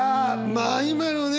まあ今のね